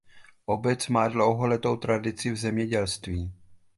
Obec má dlouholetou tradici v zemědělství.